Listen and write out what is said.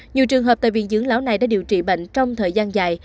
nhiều trường hợp tại viện dưỡng lão này đã điều trị bệnh trong thời gian dài